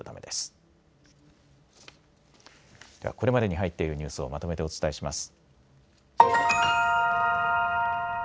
では、これまでに入っているニュースをまとめてお伝えします。